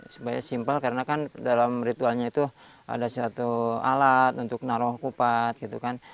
supaya simpel karena kan dalam ritualnya itu ada satu alat untuk naruh kupat gitu kan